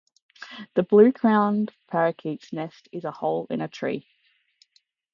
The blue-crowned parakeet's nest is a hole in a tree.